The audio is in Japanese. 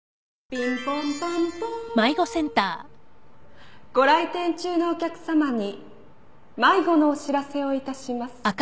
「ピンポンパンポン」ご来店中のお客さまに迷子のお知らせをいたします。